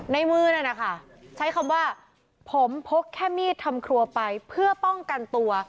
ในมือนั่นนะคะใช้คำว่าผมพกแค่มีดทำครัวไปเพื่อป้องกันตัว